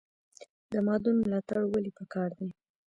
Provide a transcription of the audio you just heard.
د مادون ملاتړ ولې پکار دی؟